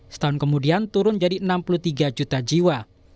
setahun kemudian turun jadi enam puluh tiga juta jiwa